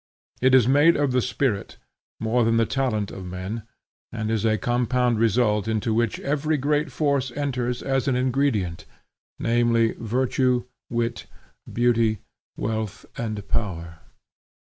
It is made of the spirit, more than of the talent of men, and is a compound result into which every great force enters as an ingredient, namely virtue, wit, beauty, wealth, and power.